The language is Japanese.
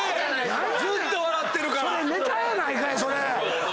それネタやないかい！